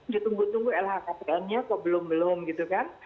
ditunggu tunggu lhkpnnya kok belum belum gitu kan